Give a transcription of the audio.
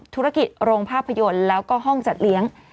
โรงภาพยนตร์แล้วก็ห้องจัดเลี้ยง